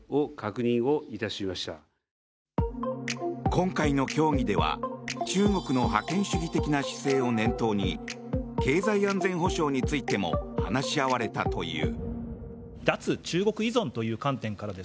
今回の協議では中国の覇権主義的な姿勢を念頭に経済安全保障についても話し合われたという。